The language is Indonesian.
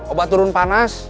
obat terun panas